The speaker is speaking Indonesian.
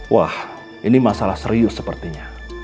wah ini masalah serius sepertinya